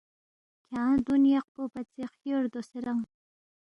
کھیانگ دون یقپو پژے خیور دوسے رنگ